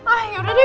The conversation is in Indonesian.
ah yaudah deh